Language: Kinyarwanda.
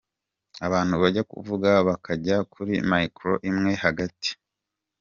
Abantu bajya kuvuga bakajya kuri micro imwe hagati.